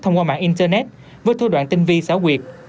thông qua mạng internet với thư đoạn tin vi xáo quyệt